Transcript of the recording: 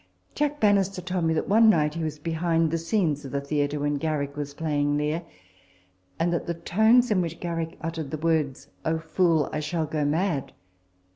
Jack Bannister told me, that one night he was behind the scenes of the theatre when Garrick was playing Lear ; and that the tones in which Garrick uttered the words, " O fool, I shall go mad